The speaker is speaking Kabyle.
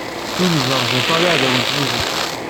Imẓeṛbeṭṭa d iɛdawen n twizi.